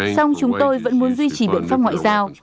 xong chúng tôi vẫn muốn duy trì biện pháp ngoại giao